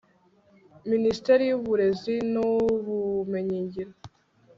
minisiteri y'uburezi n'ubumenyingiro